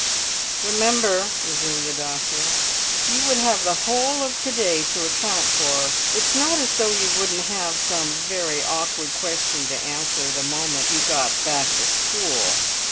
"Remember," resumed the doctor, "you would have the whole of to day to account for; it's not as though you wouldn't have some very awkward questions to answer the moment you got back to school."